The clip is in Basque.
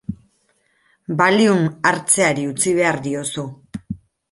Valium hartzeari utzi behar diozu.